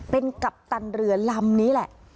เป็นกัปตันเรือลำนี้แหละ